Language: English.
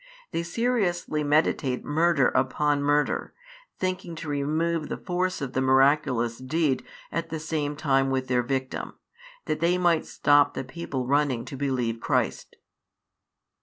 They seriously meditate murder upon murder, thinking to remove the force of the miraculous deed at the same time with their victim, that they might stop the people running to believe Christ.